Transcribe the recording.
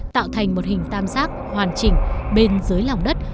tạo thành một hình tam giác hoàn chỉnh bên dưới lòng đất